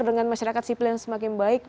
dengan masyarakat sipil yang semakin baik